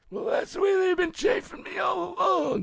Well, that's the way they've been chaffing me all along."